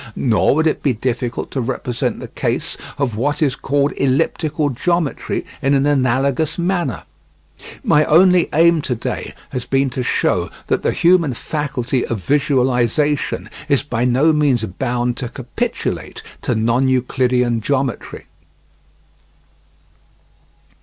Nor would it be difficult to represent the case of what is called elliptical geometry in an analogous manner. My only aim to day has been to show that the human faculty of visualisation is by no means bound to capitulate to non Euclidean geometry.